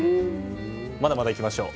まだまだいきましょう。